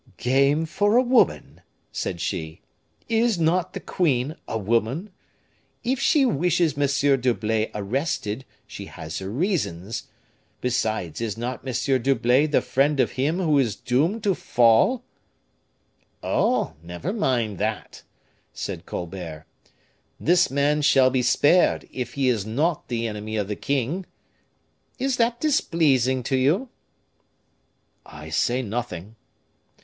"Game for a woman!" said she. "Is not the queen a woman? If she wishes M. d'Herblay arrested, she has her reasons. Besides, is not M. d'Herblay the friend of him who is doomed to fall?" "Oh! never mind that," said Colbert. "This man shall be spared, if he is not the enemy of the king. Is that displeasing to you?" "I say nothing."